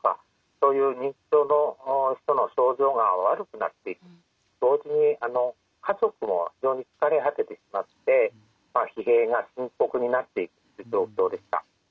そういう認知症の人の症状が悪くなって同時に家族も非常に疲れ果ててしまって疲弊が深刻になっている状況でした。